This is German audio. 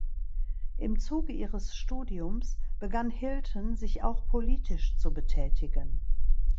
Im Zuge ihres Studiums begann Hilton sich auch politisch zu betätigen.